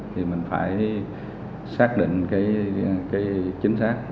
thì mình phải xác định chính xác